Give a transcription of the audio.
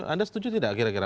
anda setuju tidak kira kira